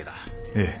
ええ。